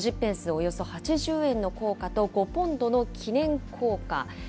およそ８０円の硬貨と５ポンドの記念硬貨。